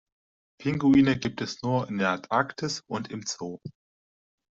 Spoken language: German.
Pinguine gibt es nur in der Antarktis und im Zoo.